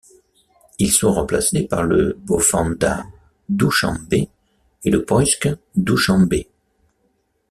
Ils sont remplacés par le Bofanda Douchanbé et le Poisk Douchanbé.